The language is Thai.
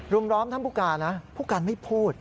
ล้อมท่านผู้การนะผู้การไม่พูด